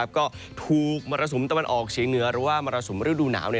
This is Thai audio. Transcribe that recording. ก็ถูกมรสุมตะวันออกเฉียงเหนือหรือว่ามรสุมฤดูหนาว